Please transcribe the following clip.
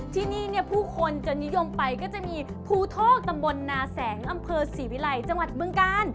ที่นี่เนี่ยผู้คนจะนิยมไปก็จะมีภูทอกตำบลนาแสงอำเภอศรีวิลัยจังหวัดบึงกาล